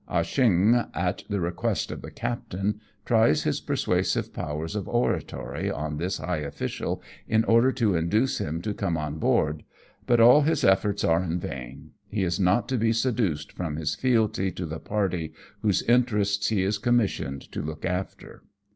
Ah Cheong, at the request of the captain, tries his persuasive powers of oratory on this high official in order to induce him to come on board, but all his \(>o AMONG TYPHOONS AND PIRATE CRAFT efforts are in vain ; he is not to be seduced from his fealty to the party whose interests he is commissioned to look after.